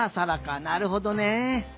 なるほどね。